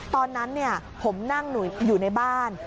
ตอนนั้นผมนั่งอยู่ในบ้าน